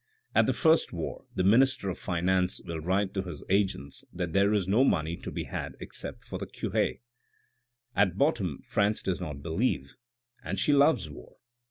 At the first war the minister of finance will write to his agents that there is no money to be had except for the cure. At bottom France does not believe, and she loves war.